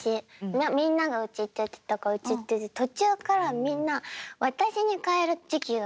みんなが「うち」って言ってたから「うち」って言ってて途中からみんな「私」に変える時期が来るんですよ。